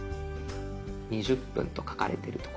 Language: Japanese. ２０分と書かれてる所。